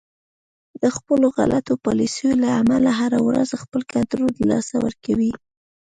د خپلو غلطو پالیسیو له امله هر ورځ خپل کنترول د لاسه ورکوي